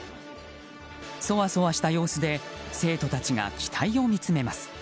そわそわした様子で生徒たちが機体を見つめます。